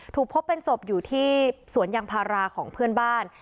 ถูกพบเป็นศพอยู่ที่สวนยางพาราของเพื่อนบ้าน